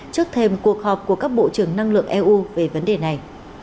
trước thêm cuộc họp của các bộ trưởng năng lượng eu về vấn đề này